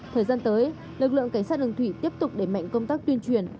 thời gian tới lực lượng cảnh sát đường thủy tiếp tục để mạnh công tác tuyên truyền